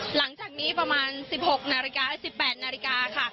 หลังจากนี้ประมาณ๑๖นาฬิกา๑๘นาฬิกาค่ะ